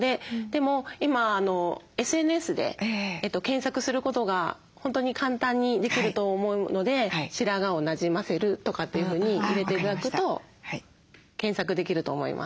でも今ＳＮＳで検索することが本当に簡単にできると思うので「白髪をなじませる」とかっていうふうに入れて頂くと検索できると思います。